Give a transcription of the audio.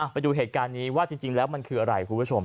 ไปดูเหตุการณ์นี้ว่าจริงแล้วมันคืออะไรคุณผู้ชม